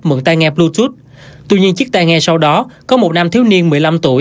mượn tai nghe bluetooth tuy nhiên chiếc tai nghe sau đó có một nam thiếu niên một mươi năm tuổi